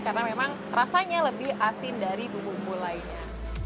karena memang rasanya lebih asin dari bumbu bumbu lainnya